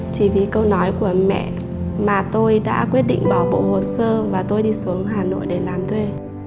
chỉ vì câu nói của mẹ mà tôi đã quyết định bỏ bộ hồ sơ và tôi đi xuống hà nội để làm thuê